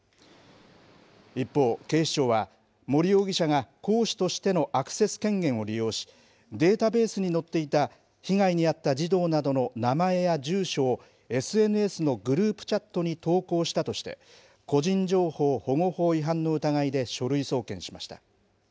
一方、警視庁は、森容疑者が講師としてのアクセス権限を利用し、データベースに載っていた被害に遭った児童などの名前や住所をＳＮＳのグループチャットに投稿したとして、個人情報保護法違反の疑いで書類送検しました。